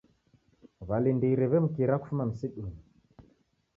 W'alindiri w'emkira kufuma msidunyi.